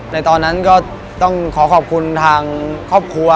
ในตอนนั้นก็ต้องขอขอบคุณทางครอบครัว